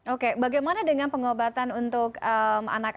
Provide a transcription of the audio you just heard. oke bagaimana dengan pengobatan untuk anak anak